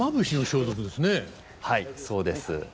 はいそうです。